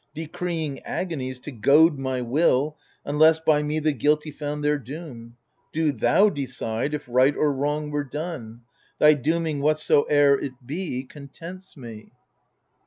Decreeing agonies, to goad my will. Unless by me the guilty found their doom. Do thou decide if right or wrong were done — Thy dooming, whatsoe'er it be, contents me.